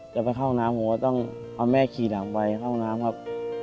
ไปเข้าห้องน้ำผมก็ต้องเอาแม่ขี่หลังไปเข้าน้ำครับ